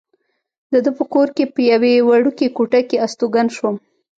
د ده په کور کې په یوې وړوکې کوټه کې استوګن شوم.